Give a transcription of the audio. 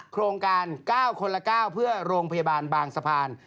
โครงการ๙คนละ๙เพื่อโรงพยาบาลบางสะพาน